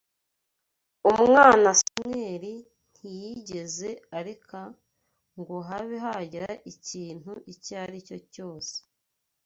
Umwana Samweli ntiyigeze areka ngo habe hagira ikintu icyo ari cyo cyose